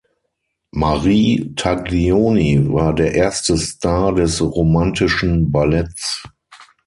Marie Taglioni war der erste Star des romantischen Balletts.